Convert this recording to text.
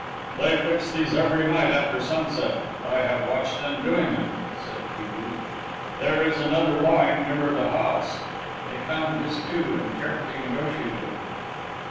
"They fix these every night after sunset; I have watched them doing it," said T. B. "There is another line nearer the house." They found this, too, and carefully negotiated it.